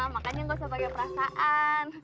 makanya gak usah pakai perasaan